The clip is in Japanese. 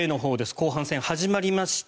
後半戦始まりました。